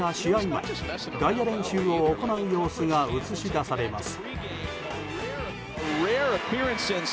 前外野練習を行う様子が映し出されます。